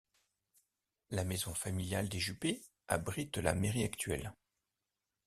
La maison familiale des Juppé abrite la mairie actuelle.